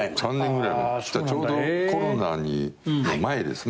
じゃあちょうどコロナの前ですね。